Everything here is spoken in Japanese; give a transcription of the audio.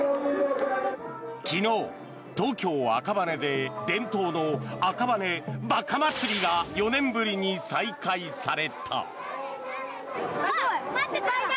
昨日、東京・赤羽で伝統の赤羽馬鹿祭りが４年ぶりに再開された。